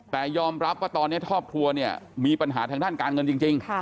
แต่ยอมรับว่าตอนนี้ครอบครัวเนี่ยมีปัญหาทางด้านการเงินจริง